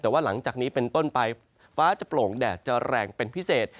แต่ว่าหลังจากนี้เป็นต้นไปฟ้าจะโปร่งแดดจะแรงเป็นพิเศษ